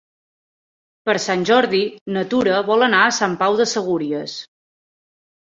Per Sant Jordi na Tura vol anar a Sant Pau de Segúries.